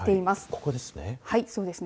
ここですね。